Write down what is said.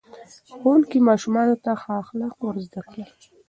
ښوونکي ماشومانو ته ښه اخلاق ور زده کړل.